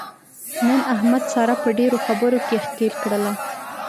نن احمد ساره په ډېرو خبرو کې ښکېل کړله.